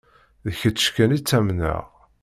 D kečč kan i ttamneɣ.